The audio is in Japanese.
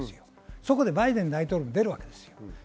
そこでバイデン大統領が出ます。